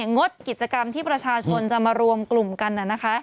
งดกิจกรรมที่ประชาชนจะมารวมกลุ่มกัน